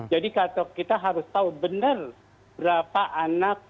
jadi kita harus tahu benar berapa anak